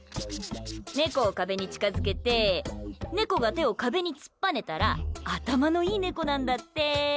ネコを壁に近づけてネコが手を壁につっぱねたら頭のいいネコなんだって！